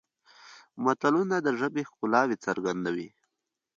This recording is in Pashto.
متلونه د ژبې ښکلاوې څرګندوي